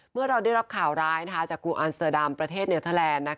เมื่อเราได้รับข่าวร้ายจากกรุงอันเซอร์ดามประเทศเนเทอร์แลนด์